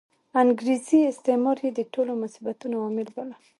انګریزي استعمار یې د ټولو مصیبتونو عامل باله.